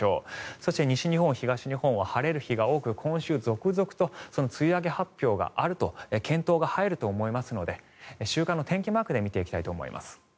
そして西日本、東日本は晴れる日が多く今週、続々と梅雨明け発表の見当が入ると思いますので週間の天気マークで見ていきたいと思います。